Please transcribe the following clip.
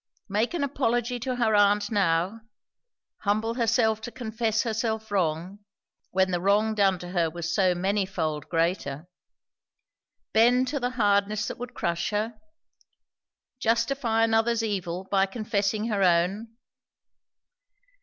Make an apology to her aunt now? Humble herself to confess herself wrong, when the wrong done to her was so manyfold greater? Bend to the hardness that would crush her? Justify another's evil by confessing her own?